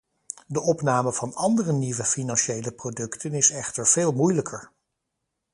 De opname van andere nieuwe financiële producten is echter veel moeilijker.